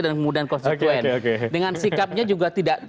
dan konstituen dengan sikapnya juga tidak